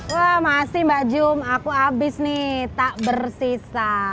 wah masih mbak jum aku habis nih tak bersisa